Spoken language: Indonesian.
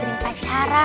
tidak ada masalah